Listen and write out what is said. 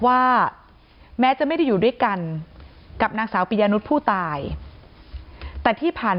ว่าแม้จะไม่ได้อยู่ด้วยกันกับนางสาวปิยานุษย์ผู้ตายแต่ที่ผ่าน